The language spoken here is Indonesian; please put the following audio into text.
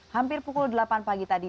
hampir pukul delapan pagi tadi